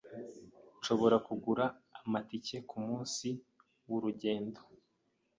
Nshobora kugura amatike kumunsi wurugendo?